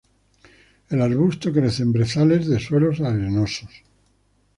El arbusto crece en brezales de suelos arenosos.